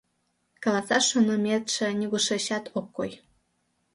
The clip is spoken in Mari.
Каласаш шоныметше нигушечат ок кой.